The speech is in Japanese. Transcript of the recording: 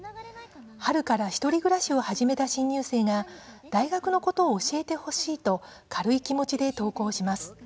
春から１人暮らしを始めた新入生が大学のことを教えてほしいと軽い気持ちで投稿します。